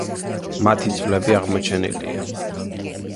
მათი ძვლები აღმოჩენილია.